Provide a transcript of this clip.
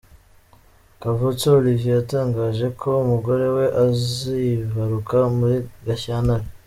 Kavutse Olivier yatangaje ko umugore we azibaruka muri Gashyantare.